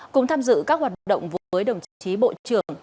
cùng tham dự các hoạt động với đồng chí bộ trưởng